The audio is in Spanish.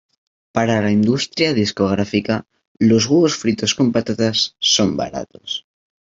Para la industria discográfica los huevos fritos con patatas son baratos